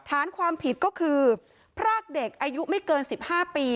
ฐานความผิดก็คือพรากเด็กอายุไม่เกิน๑๕ปี